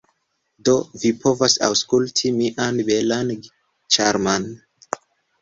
Do vi povas aŭskulti mian belan, ĉarman